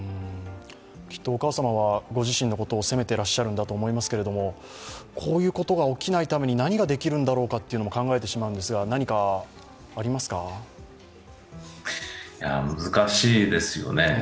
きっとお母様はご自身のことを責めてらっしゃるんでしょうけどこういうことが起きないために何ができるんだろうかとも考えてしまうんですが難しいですよね。